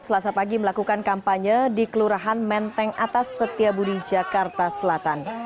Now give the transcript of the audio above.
selasa pagi melakukan kampanye di kelurahan menteng atas setiabudi jakarta selatan